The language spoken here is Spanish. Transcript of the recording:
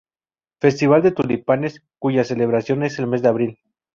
Festival de Tulipanes, cuya celebración es en el mes de abril.